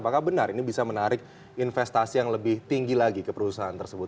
apakah benar ini bisa menarik investasi yang lebih tinggi lagi ke perusahaan tersebut